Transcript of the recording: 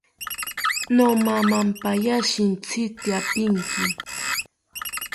Nomamapaya shintzi tyapinki